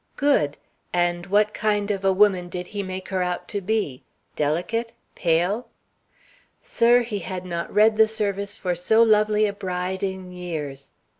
"Good; and what kind of a woman did he make her out to be? Delicate? Pale?" "Sir, he had not read the service for so lovely a bride in years.